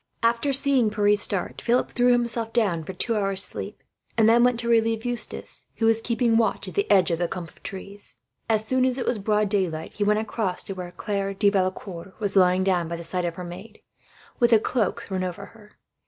After seeing Pierre start, Philip threw himself down for two hours' sleep; and then went to relieve Eustace, who was keeping watch at the edge of a clump of trees. As soon as it was broad daylight, he went across to where Claire de Valecourt was lying down by the side of her maid, with a cloak thrown over them.